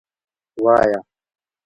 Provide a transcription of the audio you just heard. وایه.